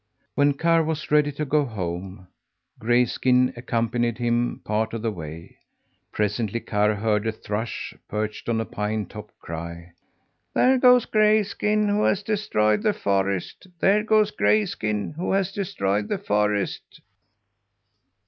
When Karr was ready to go home, Grayskin accompanied him part of the way. Presently Karr heard a thrush, perched on a pine top, cry: "There goes Grayskin, who has destroyed the forest! There goes Grayskin, who has destroyed the forest!"